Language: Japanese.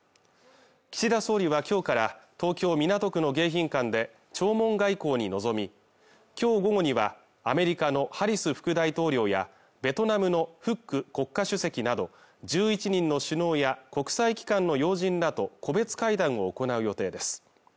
岸田総理はきょうから東京・港区の迎賓館で弔問外交に臨み今日午後にはアメリカのハリス副大統領やベトナムのフック国家主席など１１人の首脳や国際機関の要人らと個別会談を行う予定です